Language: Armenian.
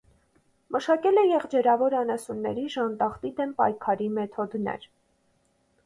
Մշակել է եղջերավոր անասունների ժանտախտի դեմ պայքարի մեթոդներ։